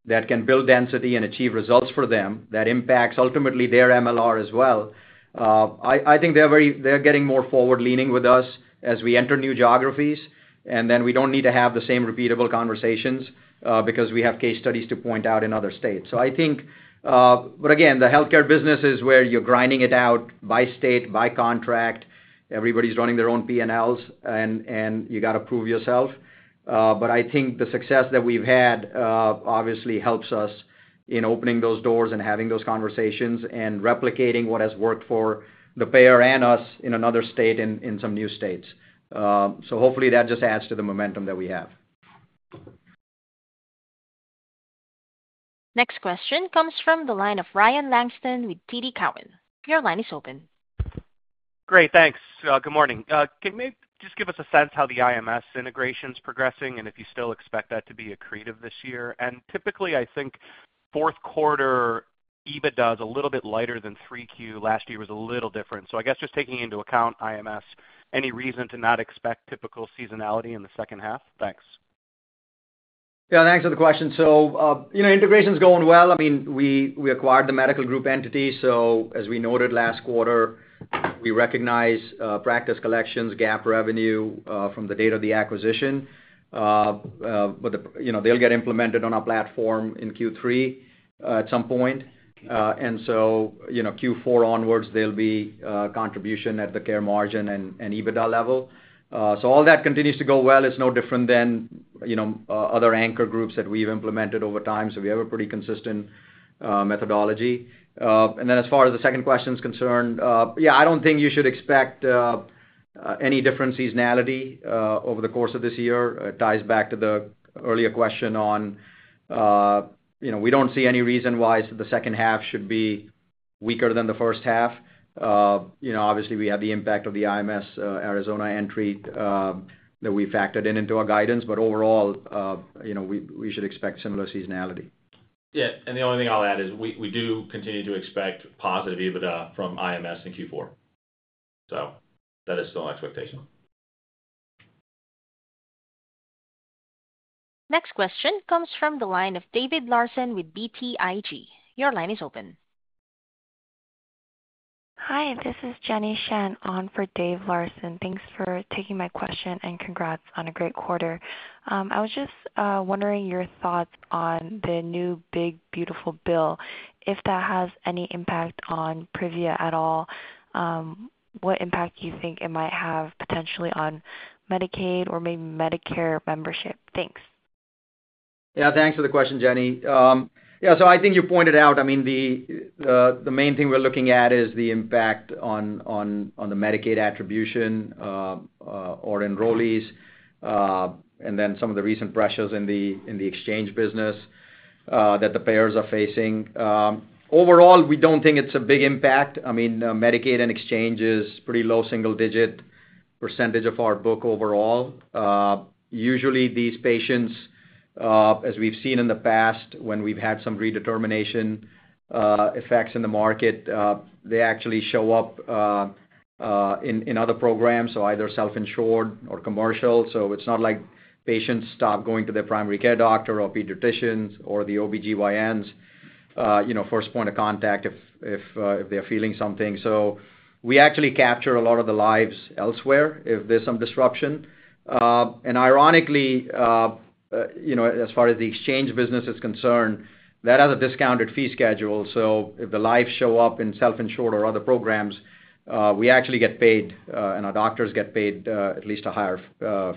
[SPEAKER 3] that can build density and achieve results for them, that impacts ultimately their MLR as well. I think they're getting more forward-leaning with us as we enter new geographies, and then we don't need to have the same repeatable conversations because we have case studies to point out in other states. The healthcare business is where you're grinding it out by state, by contract. Everybody's running their own P&Ls, and you got to prove yourself. I think the success that we've had obviously helps us in opening those doors and having those conversations and replicating what has worked for the payer and us in another state in some new states. Hopefully that just adds to the momentum that we have.
[SPEAKER 1] Next question comes from the line of Ryan Langston with TD Cowen. Your line is open.
[SPEAKER 14] Great, thanks. Good morning. Can you just give us a sense of how the IMS integration is progressing and if you still expect that to be accretive this year? Typically, I think fourth quarter EBITDA is a little bit lighter than 3Q. Last year was a little different. I guess just taking into account IMS, any reason to not expect typical seasonality in the second half? Thanks.
[SPEAKER 3] Yeah, thanks for the question. Integration is going well. I mean, we acquired the medical group entity. As we noted last quarter, we recognize practice collections, GAAP revenue from the date of the acquisition. They'll get implemented on our platform in Q3 at some point. Q4 onwards, there'll be contribution at the care margin and EBITDA level. All that continues to go well. It's no different than other anchor groups that we've implemented over time. We have a pretty consistent methodology. As far as the second question is concerned, I don't think you should expect any different seasonality over the course of this year. It ties back to the earlier question on, you know, we don't see any reason why the second half should be weaker than the first half. Obviously, we have the impact of the IMS Arizona entry that we factored in into our guidance. Overall, we should expect similar seasonality.
[SPEAKER 4] Yeah, the only thing I'll add is we do continue to expect positive EBITDA from IMS in Q4. That is still an expectation.
[SPEAKER 1] Next question comes from the line of David Larsen with BTIG. Your line is open.
[SPEAKER 15] Hi, this is Jenny Shen on for David Larsen. Thanks for taking my question and congrats on a great quarter. I was just wondering your thoughts on the new big, beautiful bill, if that has any impact on Privia at all. What impact do you think it might have potentially on Medicaid or maybe Medicare membership? Thanks. Yeah, thanks for the question, Jenny. I think you pointed out, the main thing we're looking at is the impact on the Medicaid attribution or enrollees and then some of the recent pressures in the exchange business that the payers are facing. Overall, we don't think it's a big impact. Medicaid and exchange is a pretty low single-digit percentage of our book overall. Usually, these patients, as we've seen in the past when we've had some redetermination effects in the market, actually show up in other programs, either self-insured or commercial. It's not like patients stop going to their primary care doctor or pediatricians or the OB-GYNs, first point of contact if they're feeling something. We actually capture a lot of the lives elsewhere if there's some disruption. Ironically, as far as the exchange business is concerned, that has a discounted fee schedule. If the lives show up in self-insured or other programs, we actually get paid and our doctors get paid at least a higher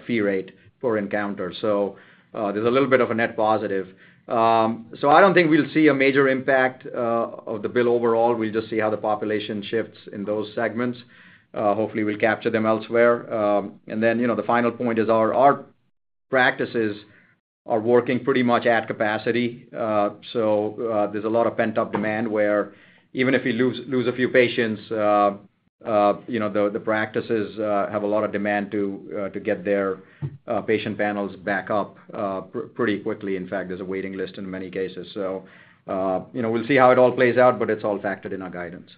[SPEAKER 15] fee rate per encounter. There's a little bit of a net positive. I don't think we'll see a major impact of the bill overall. We'll just see how the population shifts in those segments. Hopefully, we'll capture them elsewhere. The final point is our practices are working pretty much at capacity. There's a lot of pent-up demand where even if we lose a few patients, the practices have a lot of demand to get their patient panels back up pretty quickly. In fact, there's a waiting list in many cases. We'll see how it all plays out, but it's all factored in our guidance.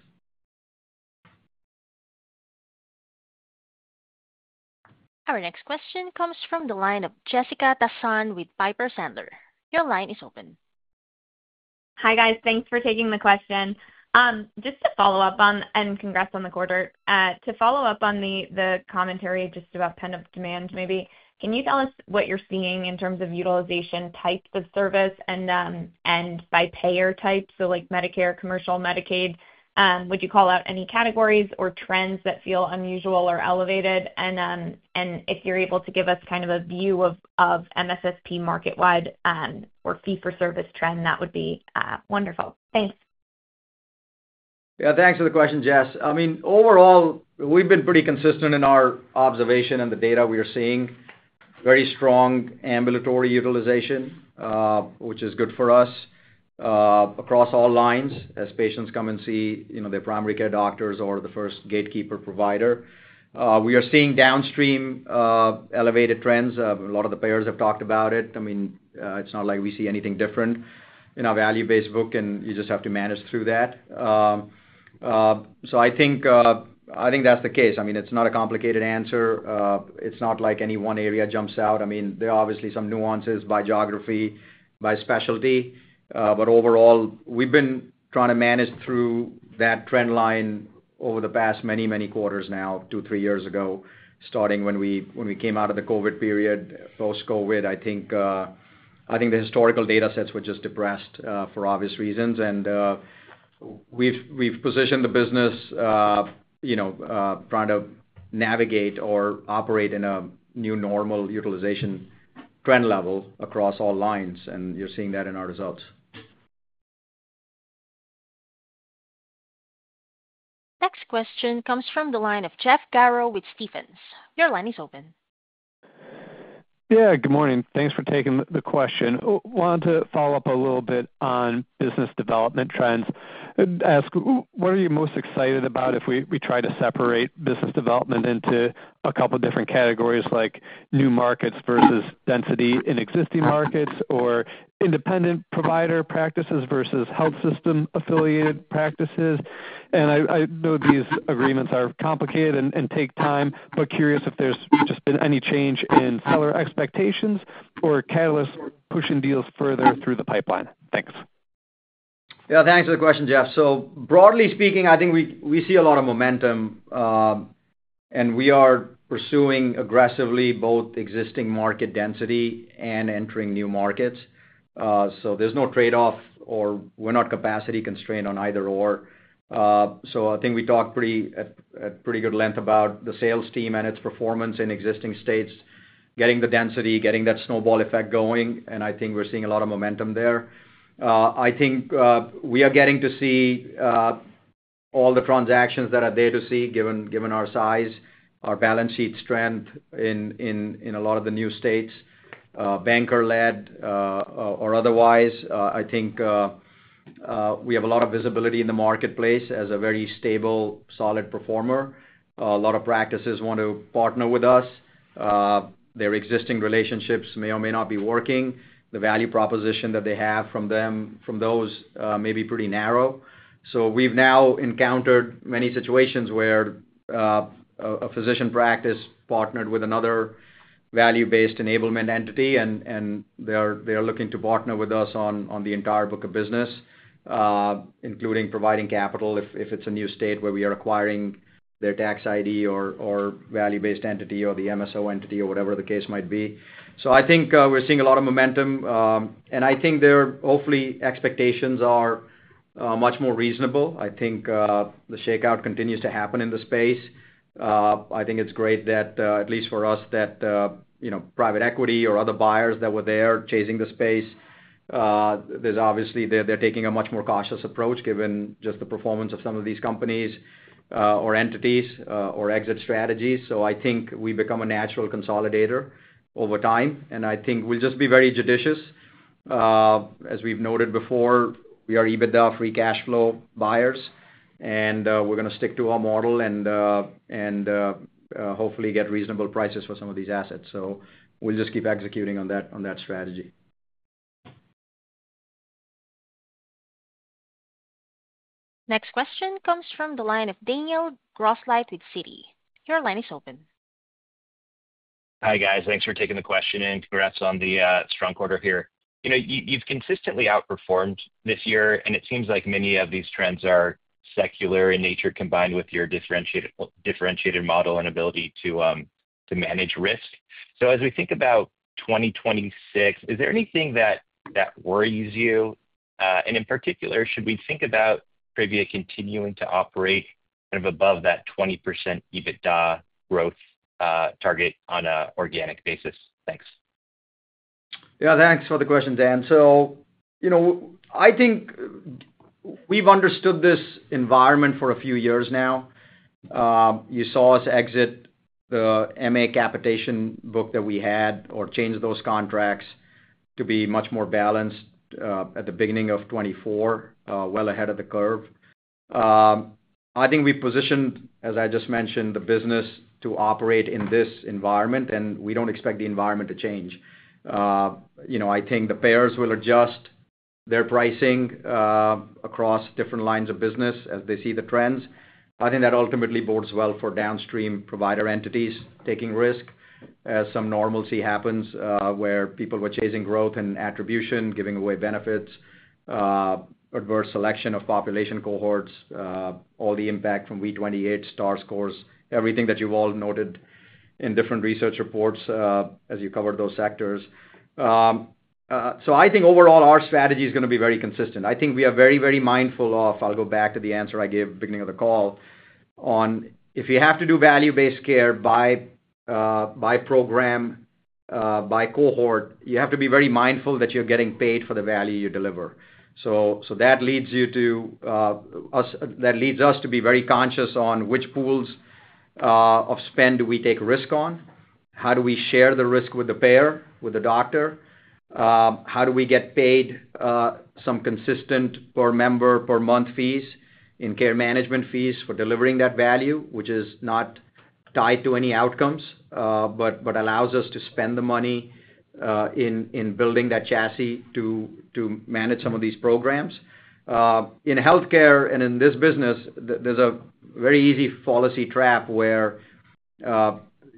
[SPEAKER 1] Our next question comes from the line of Jessica Tassan with Piper Sandler. Your line is open.
[SPEAKER 16] Hi guys, thanks for taking the question. Just to follow up on, and congrats on the quarter, to follow up on the commentary just about kind of demand maybe, can you tell us what you're seeing in terms of utilization type of service and by payer type? Like Medicare, commercial, Medicaid, would you call out any categories or trends that feel unusual or elevated? If you're able to give us kind of a view of MSSP market-wide or fee-for-service trend, that would be wonderful. Thanks.
[SPEAKER 3] Yeah, thanks for the question, Jess. I mean, overall, we've been pretty consistent in our observation and the data we are seeing. Very strong ambulatory utilization, which is good for us across all lines as patients come and see their primary care doctors or the first gatekeeper provider. We are seeing downstream elevated trends. A lot of the payers have talked about it. It's not like we see anything different in our value-based book, and you just have to manage through that. I think that's the case. It's not a complicated answer. It's not like any one area jumps out. There are obviously some nuances by geography, by specialty, but overall, we've been trying to manage through that trend line over the past many, many quarters now, two, three years ago, starting when we came out of the COVID period. Post-COVID, I think the historical data sets were just depressed for obvious reasons. We've positioned the business, trying to navigate or operate in a new normal utilization trend level across all lines, and you're seeing that in our results.
[SPEAKER 1] Next question comes from the line of Jeff Garro with Stephens. Your line is open.
[SPEAKER 17] Good morning. Thanks for taking the question. I wanted to follow up a little bit on business development trends and ask what are you most excited about if we try to separate business development into a couple of different categories like new markets versus density in existing markets or independent provider practices versus health system affiliated practices? I know these agreements are complicated and take time, but curious if there's just been any change in seller expectations or catalysts pushing deals further through the pipeline. Thanks.
[SPEAKER 3] Yeah, thanks for the question, Jeff. Broadly speaking, I think we see a lot of momentum, and we are pursuing aggressively both existing market density and entering new markets. There's no trade-off or we're not capacity constrained on either or. I think we talked at pretty good length about the sales team and its performance in existing states, getting the density, getting that snowball effect going, and I think we're seeing a lot of momentum there. I think we are getting to see all the transactions that are there to see, given our size, our balance sheet strength in a lot of the new states, banker-led or otherwise. We have a lot of visibility in the marketplace as a very stable, solid performer. A lot of practices want to partner with us. Their existing relationships may or may not be working. The value proposition that they have from those may be pretty narrow. We've now encountered many situations where a physician practice partnered with another value-based enablement entity, and they're looking to partner with us on the entire book of business, including providing capital if it's a new state where we are acquiring their tax ID or value-based entity or the management services organization entity or whatever the case might be. I think we're seeing a lot of momentum, and I think their hopefully expectations are much more reasonable. The shakeout continues to happen in the space. I think it's great that, at least for us, that private equity or other buyers that were there chasing the space, obviously they're taking a much more cautious approach given just the performance of some of these companies or entities or exit strategies. We become a natural consolidator over time, and I think we'll just be very judicious. As we've noted before, we are EBITDA, free cash flow buyers, and we're going to stick to our model and hopefully get reasonable prices for some of these assets. We'll just keep executing on that strategy.
[SPEAKER 1] Next question comes from the line of Daniel Grosslight with Citi. Your line is open.
[SPEAKER 18] Hi guys, thanks for taking the question and congrats on the strong quarter here. You've consistently outperformed this year, and it seems like many of these trends are secular in nature combined with your differentiated model and ability to manage risk. As we think about 2026, is there anything that worries you? In particular, should we think about Privia continuing to operate kind of above that 20% EBITDA growth target on an organic basis? Thanks.
[SPEAKER 3] Yeah, thanks for the question, Dan. I think we've understood this environment for a few years now. You saw us exit the MA capitation book that we had or change those contracts to be much more balanced at the beginning of 2024, well ahead of the curve. I think we positioned, as I just mentioned, the business to operate in this environment, and we don't expect the environment to change. I think the payers will adjust their pricing across different lines of business as they see the trends. I think that ultimately bodes well for downstream provider entities taking risk as some normalcy happens where people were chasing growth and attribution, giving away benefits, adverse selection of population cohorts, all the impact from V28, STAR scores, everything that you've all noted in different research reports as you covered those sectors. I think overall our strategy is going to be very consistent. We are very, very mindful of, I'll go back to the answer I gave at the beginning of the call, on if you have to do value-based care by program, by cohort, you have to be very mindful that you're getting paid for the value you deliver. That leads us to be very conscious on which pools of spend do we take risk on. How do we share the risk with the payer, with the doctor? How do we get paid some consistent per member, per month fees in care management fees for delivering that value, which is not tied to any outcomes, but allows us to spend the money in building that chassis to manage some of these programs. In healthcare and in this business, there's a very easy fallacy trap where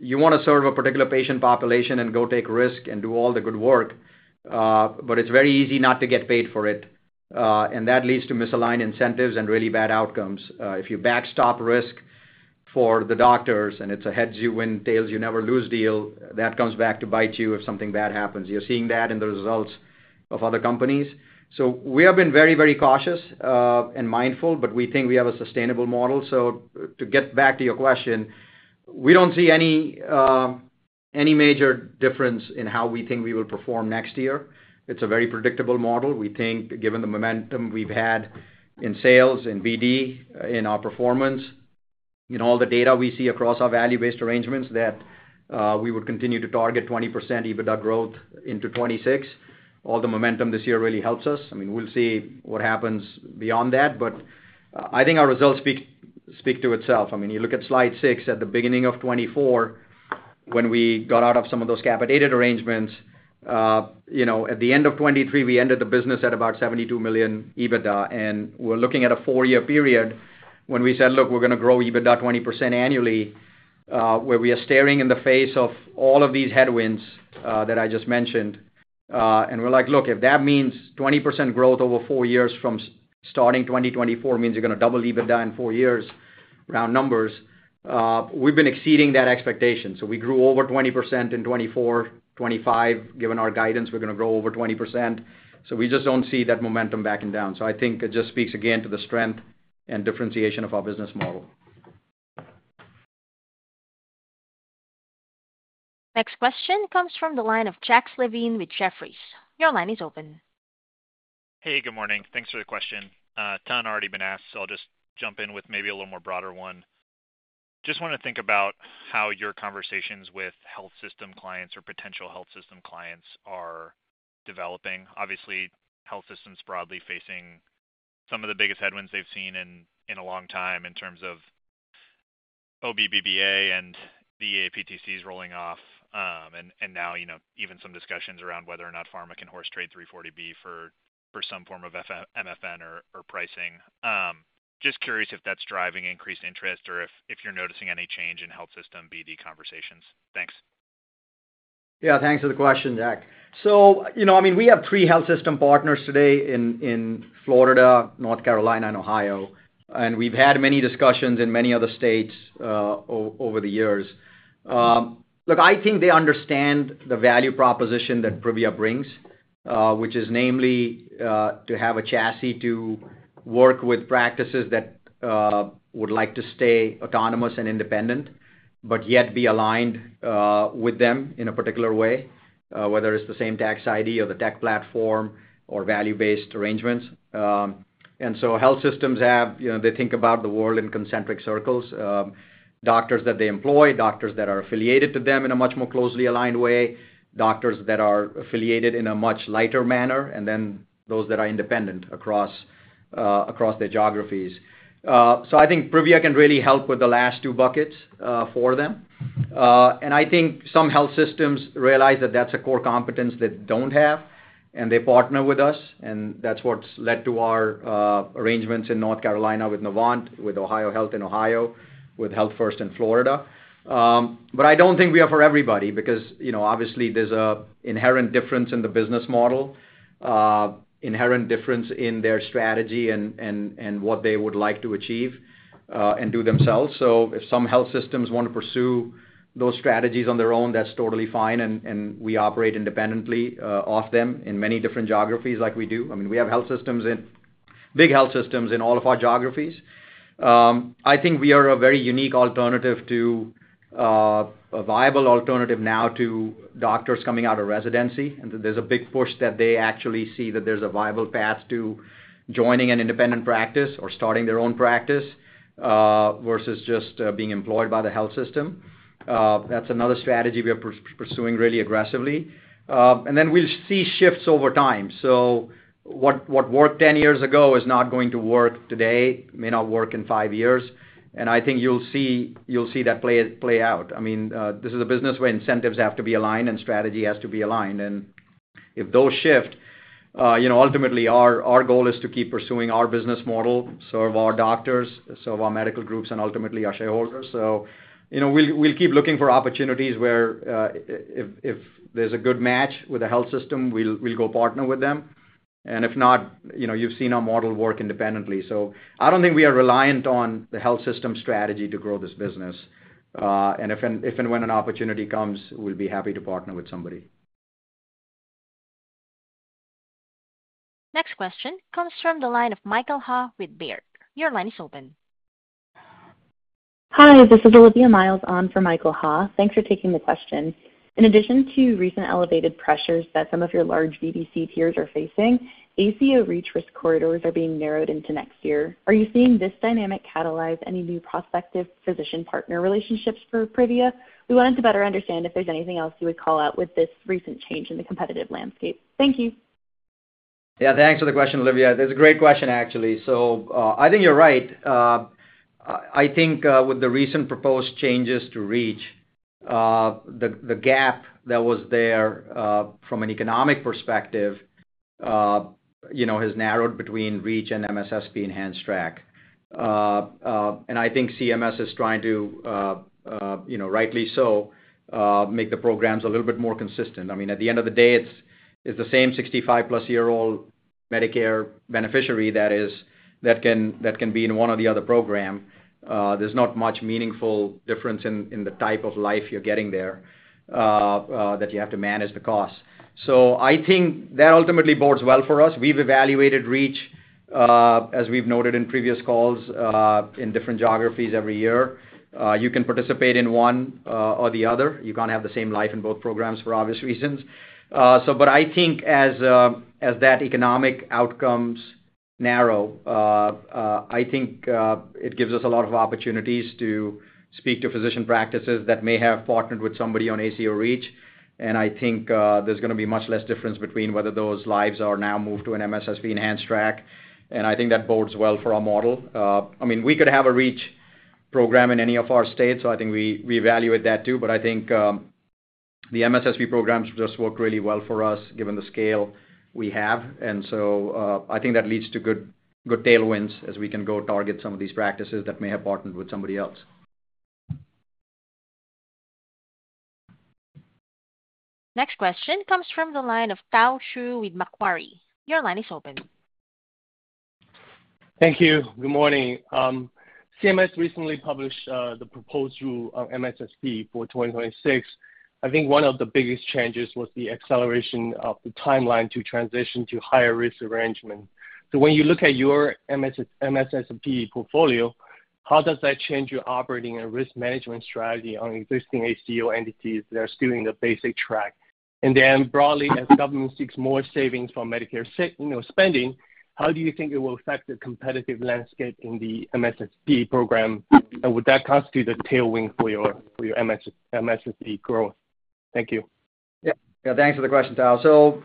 [SPEAKER 3] you want to serve a particular patient population and go take risk and do all the good work, but it's very easy not to get paid for it. That leads to misaligned incentives and really bad outcomes. If you backstop risk for the doctors and it's a heads you win, tails you never lose deal, that comes back to bite you if something bad happens. You're seeing that in the results of other companies. We have been very, very cautious and mindful, but we think we have a sustainable model. To get back to your question, we don't see any major difference in how we think we will perform next year. It's a very predictable model. We think given the momentum we've had in sales, in BD, in our performance, in all the data we see across our value-based arrangements that we would continue to target 20% EBITDA growth into 2026. All the momentum this year really helps us. I mean, we'll see what happens beyond that, but I think our results speak to itself. I mean, you look at slide six at the beginning of 2024, when we got out of some of those capitated arrangements. At the end of 2023, we ended the business at about $72 million EBITDA, and we're looking at a four-year period when we said, look, we're going to grow EBITDA 20% annually, where we are staring in the face of all of these headwinds that I just mentioned. We're like, look, if that means 20% growth over four years from starting 2024 means you're going to double EBITDA in four years, round numbers, we've been exceeding that expectation. We grew over 20% in 2024, 2025, given our guidance, we're going to grow over 20%. We just don't see that momentum backing down. I think it just speaks again to the strength and differentiation of our business model.
[SPEAKER 1] Next question comes from the line of Jack Slevin with Jefferies. Your line is open.
[SPEAKER 19] Hey, good morning. Thanks for the question. A ton already been asked, so I'll just jump in with maybe a little more broader one. Just want to think about how your conversations with health system clients or potential health system clients are developing. Obviously, health systems broadly facing some of the biggest headwinds they've seen in a long time in terms of OBBBA and DAPTCs rolling off, and now, you know, even some discussions around whether or not pharma can horse trade 340B for some form of MFN or pricing. Just curious if that's driving increased interest or if you're noticing any change in health system BD conversations. Thanks.
[SPEAKER 3] Yeah, thanks for the question, Jack. We have pre-health system partners today in Florida, North Carolina, and Ohio, and we've had many discussions in many other states over the years. I think they understand the value proposition that Privia brings, which is namely to have a chassis to work with practices that would like to stay autonomous and independent, but yet be aligned with them in a particular way, whether it's the same tax ID or the tech platform or value-based arrangements. Health systems think about the world in concentric circles: doctors that they employ, doctors that are affiliated to them in a much more closely aligned way, doctors that are affiliated in a much lighter manner, and then those that are independent across their geographies. I think Privia can really help with the last two buckets for them. Some health systems realize that that's a core competence they don't have, and they partner with us, and that's what's led to our arrangements in North Carolina with Novant, with Ohio Health in Ohio, with Health First in Florida. I don't think we are for everybody because, obviously, there's an inherent difference in the business model, inherent difference in their strategy and what they would like to achieve and do themselves. If some health systems want to pursue those strategies on their own, that's totally fine, and we operate independently of them in many different geographies like we do. We have health systems, big health systems, in all of our geographies. I think we are a very unique alternative, a viable alternative now to doctors coming out of residency, and there's a big push that they actually see that there's a viable path to joining an independent practice or starting their own practice versus just being employed by the health system. That's another strategy we are pursuing really aggressively. We'll see shifts over time. What worked 10 years ago is not going to work today, may not work in five years, and I think you'll see that play out. This is a business where incentives have to be aligned and strategy has to be aligned. If those shift, ultimately our goal is to keep pursuing our business model, serve our doctors, serve our medical groups, and ultimately our shareholders. We'll keep looking for opportunities where if there's a good match with a health system, we'll go partner with them. If not, you've seen our model work independently. I don't think we are reliant on the health system strategy to grow this business. If and when an opportunity comes, we'll be happy to partner with somebody.
[SPEAKER 1] Next question comes from the line of Michael Ha with Baird. Your line is open.
[SPEAKER 20] Hi, this is Olivia Miles on for Michael Ha. Thanks for taking the question. In addition to recent elevated pressures that some of your large D.C. tiers are facing, ACO REACH risk corridors are being narrowed into next year. Are you seeing this dynamic catalyze any new prospective physician partner relationships for Privia? We wanted to better understand if there's anything else you would call out with this recent change in the competitive landscape. Thank you.
[SPEAKER 3] Yeah, thanks for the question, Olivia. That's a great question, actually. I think you're right. I think with the recent proposed changes to REACH, the gap that was there from an economic perspective has narrowed between REACH and MSSP enhanced track. I think CMS is trying to, rightly so, make the programs a little bit more consistent. At the end of the day, it's the same 65+ year-old Medicare beneficiary that can be in one or the other program. There's not much meaningful difference in the type of life you're getting there that you have to manage the cost. I think that ultimately bodes well for us. We've evaluated REACH, as we've noted in previous calls, in different geographies every year. You can participate in one or the other. You can't have the same life in both programs for obvious reasons. As that economic outcomes narrow, I think it gives us a lot of opportunities to speak to physician practices that may have partnered with somebody on ACO REACH. I think there's going to be much less difference between whether those lives are now moved to an MSSP enhanced track. I think that bodes well for our model. We could have a REACH program in any of our states, so I think we evaluate that too. I think the MSSP programs just work really well for us given the scale we have. I think that leads to good tailwinds as we can go target some of these practices that may have partnered with somebody else.
[SPEAKER 1] Next question comes from the line of Tao Qiu with Mcqu. Your line is open.
[SPEAKER 21] Thank you. Good morning. CMS recently published the proposed rule on MSSP for 2026. I think one of the biggest changes was the acceleration of the timeline to transition to higher risk arrangements. When you look at your MSSP portfolio, how does that change your operating and risk management strategy on existing ACO entities that are still in the basic track? Broadly, as government seeks more savings from Medicare spending, how do you think it will affect the competitive landscape in the MSSP program? Would that constitute a tailwind for your MSSP growth? Thank you.
[SPEAKER 3] Yeah, thanks for the question, Tao.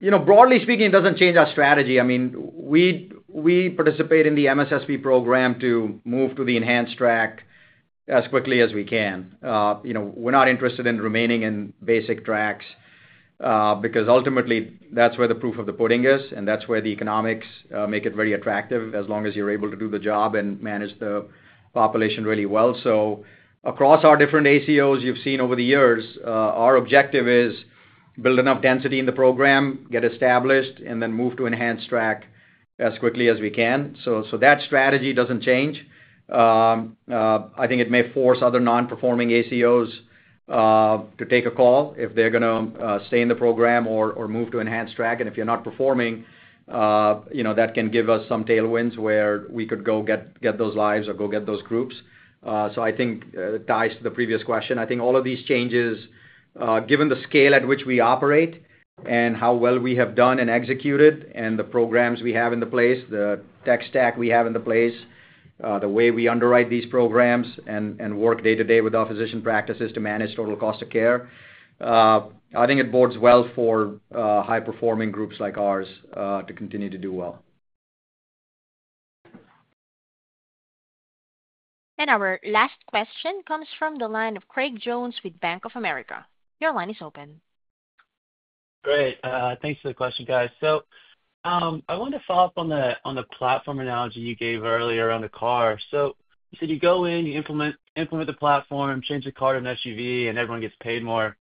[SPEAKER 3] Broadly speaking, it doesn't change our strategy. I mean, we participate in the MSSP program to move to the enhanced track as quickly as we can. We're not interested in remaining in basic tracks because ultimately that's where the proof of the pudding is, and that's where the economics make it very attractive as long as you're able to do the job and manage the population really well. Across our different ACOs you've seen over the years, our objective is build enough density in the program, get established, and then move to enhanced track as quickly as we can. That strategy doesn't change. I think it may force other non-performing ACOs to take a call if they're going to stay in the program or move to enhanced track. If you're not performing, that can give us some tailwinds where we could go get those lives or go get those groups. I think it ties to the previous question. I think all of these changes, given the scale at which we operate and how well we have done and executed and the programs we have in place, the tech stack we have in place, the way we underwrite these programs and work day-to-day with our physician practices to manage total cost of care, I think it bodes well for high-performing groups like ours to continue to do well.
[SPEAKER 1] Our last question comes from the line of Craig Jones with Bank of America. Your line is open.
[SPEAKER 22] Great. Thanks for the question, guys. I wanted to follow up on the platform analogy you gave earlier on the car. You said you go in, you implement the platform, change the car to an SUV, and everyone gets paid more.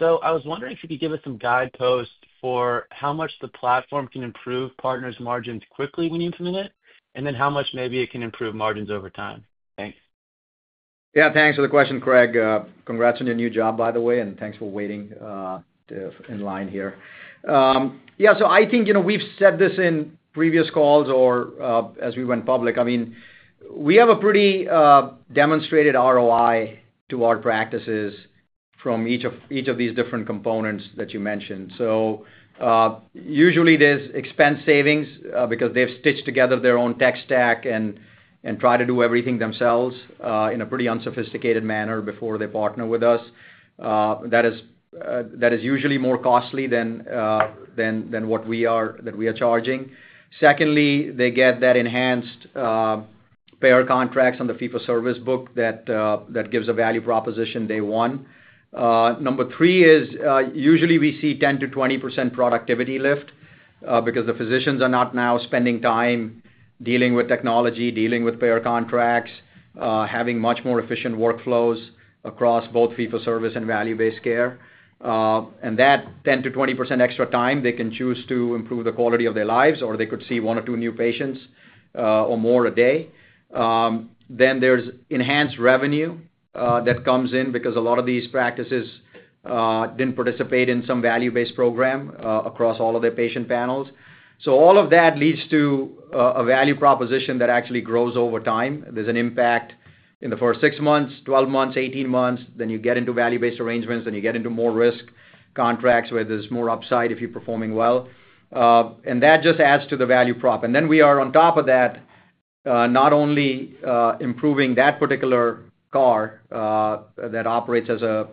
[SPEAKER 22] I was wondering if you could give us some guideposts for how much the platform can improve partners' margins quickly when you implement it, and then how much maybe it can improve margins over time. Thanks.
[SPEAKER 3] Yeah, thanks for the question, Craig. Congrats on your new job, by the way, and thanks for waiting in line here. I think, you know, we've said this in previous calls or as we went public. I mean, we have a pretty demonstrated ROI to our practices from each of these different components that you mentioned. Usually there's expense savings because they've stitched together their own tech stack and try to do everything themselves in a pretty unsophisticated manner before they partner with us. That is usually more costly than what we are charging. Secondly, they get that enhanced payer contracts on the fee-for-service book that gives a value proposition day one. Number three is usually we see 10%-20% productivity lift because the physicians are not now spending time dealing with technology, dealing with payer contracts, having much more efficient workflows across both fee-for-service and value-based care. That 10%-20% extra time they can choose to improve the quality of their lives, or they could see one or two new patients or more a day. There's enhanced revenue that comes in because a lot of these practices didn't participate in some value-based program across all of their patient panels. All of that leads to a value proposition that actually grows over time. There's an impact in the first six months, 12 months, 18 months. You get into value-based arrangements, you get into more risk contracts where there's more upside if you're performing well. That just adds to the value prop. We are on top of that, not only improving that particular car that operates as a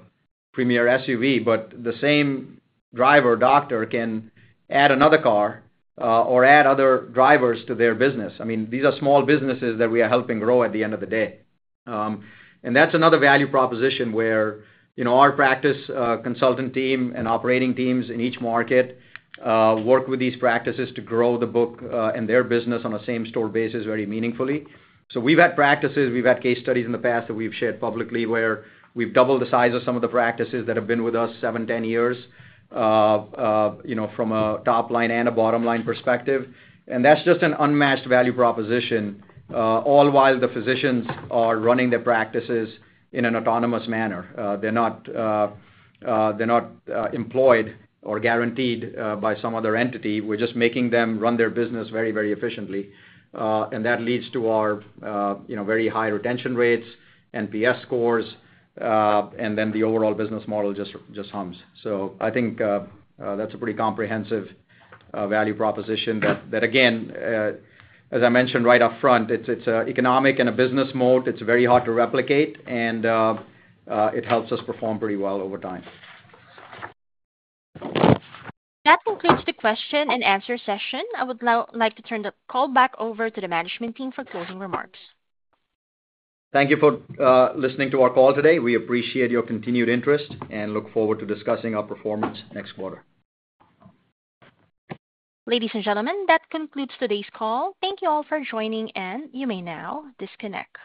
[SPEAKER 3] premier SUV, but the same driver or doctor can add another car or add other drivers to their business. I mean, these are small businesses that we are helping grow at the end of the day. That's another value proposition where our practice consultant team and operating teams in each market work with these practices to grow the book and their business on a same-store basis very meaningfully. We've had practices, we've had case studies in the past that we've shared publicly where we've doubled the size of some of the practices that have been with us seven, ten years, from a top line and a bottom line perspective. That's just an unmatched value proposition, all while the physicians are running their practices in an autonomous manner. They're not employed or guaranteed by some other entity. We're just making them run their business very, very efficiently. That leads to our very high retention rates, NPS scores, and then the overall business model just hums. I think that's a pretty comprehensive value proposition that, again, as I mentioned right up front, it's an economic and a business mode. It's very hard to replicate, and it helps us perform pretty well over time.
[SPEAKER 1] That concludes the question-and-answer session. I would like to turn the call back over to the management team for closing remarks.
[SPEAKER 3] Thank you for listening to our call today. We appreciate your continued interest and look forward to discussing our performance next quarter.
[SPEAKER 1] Ladies and gentlemen, that concludes today's call. Thank you all for joining, and you may now disconnect.